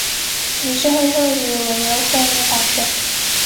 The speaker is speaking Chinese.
理事会授予委员会立法权。